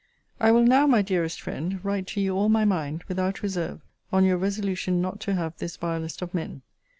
I will now, my dearest friend, write to you all my mind, without reserve, on your resolution not to have this vilest of men.